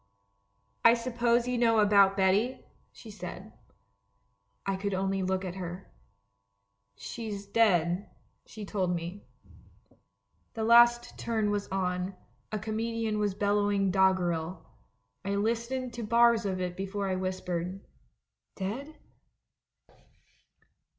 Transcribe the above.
" 'I suppose you know about Betty?' she said. "I could only look at her. " 'She's dead,' she told me. *'The last turn was on — a comedian was bel lowing doggerel. I listened to bars of it before I whispered, 'Dead?'